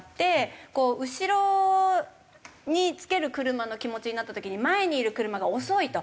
こう後ろにつける車の気持ちになった時に前にいる車が遅いと。